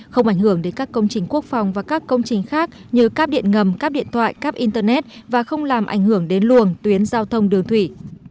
không ảnh hưởng đến các công trình quốc phòng và các công trình khác như cắp điện ngầm cắp điện thoại cáp internet và không làm ảnh hưởng đến luồng tuyến giao thông đường thủy